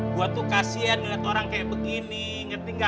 gua tuh kasian liat orang kayak begini ngerti ga